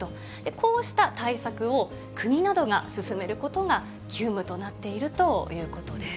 こうした対策を国などが進めることが急務となっているということです。